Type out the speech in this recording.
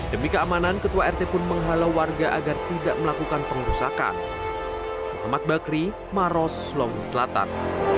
demi keamanan ketua rt pun menghalau warga agar tidak melakukan pengerusakan